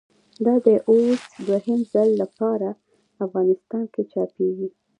دا دی اوس د دوهم ځل له پاره افغانستان کښي چاپېږي.